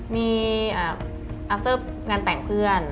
มีวันเกิดงานแต่งเพื่อน